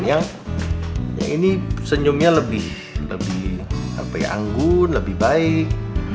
yang ini senyumnya lebih anggun lebih baik